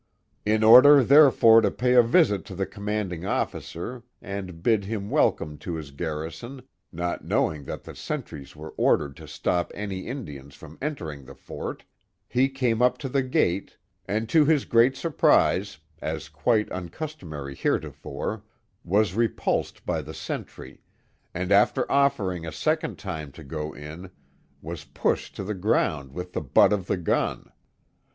In order, therefore, ^> pay a visit to the comraardiog officer, and bid him welcome to his garrison (not knowing that the sentries were ordered to stop any Indian from entering the fori) he came up to the gate, and to his great surprise, as i|uiie uncustomary heretofore, was repulsed by the sentry, and after offering a second time to go in, was pushed to the ground with the butt of the gun.